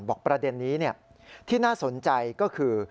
ประเด็นนี้ที่น่าสนใจก็คือ